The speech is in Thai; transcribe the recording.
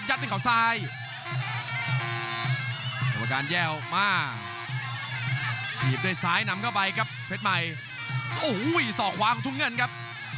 โอ้โหส่อขวาของถุงเงินครับ